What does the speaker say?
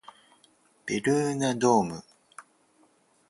ベルーナドーム